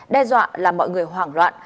đe dọa làm mọi người hoảng loạn